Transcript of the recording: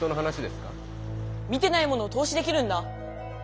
見てないものを透視できるんだ！